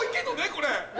これ。